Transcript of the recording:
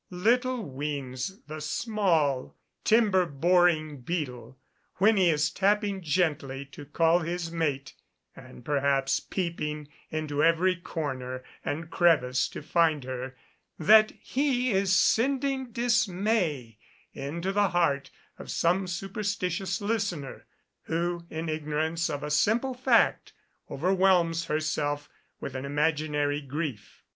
Little weens the small timber boring beetle, when he is tapping gently to call his mate, and perhaps peeping into every corner and crevice to find her, that he is sending dismay into the heart of some superstitious listener, who, in ignorance of a simple fact, overwhelms herself with an imaginary grief.